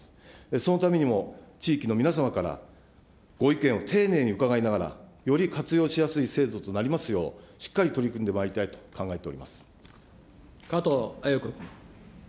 そのためにも、地域の皆様からご意見を丁寧に伺いながら、より活用しやすい制度となりますよう、しっかり取り組んでまいり加藤鮎子君。